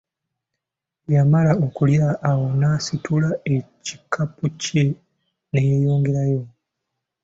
Bwe yamala okulya awo n'asitula ekikapu kye ne yeeyongerayo.